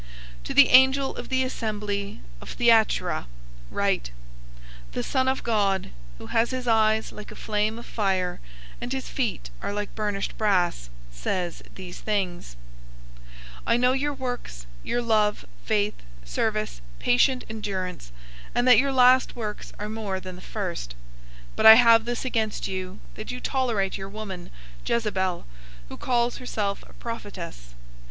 002:018 "To the angel of the assembly in Thyatira write: "The Son of God, who has his eyes like a flame of fire, and his feet are like burnished brass, says these things: 002:019 "I know your works, your love, faith, service, patient endurance, and that your last works are more than the first. 002:020 But I have this against you, that you tolerate your{TR, NU read "that" instead of "your"} woman, Jezebel, who calls herself a prophetess.